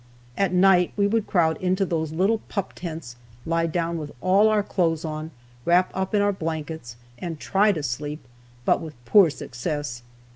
At night we would crowd into those little pup tents, lie down with all our clothes on, wrap up in our blankets and try to sleep, but with poor success.